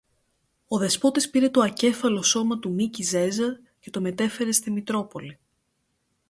Ο Δεσπότης πήρε το ακέφαλο σώμα του Μίκη Ζέζα και το μετέφερε στη Μητρόπολη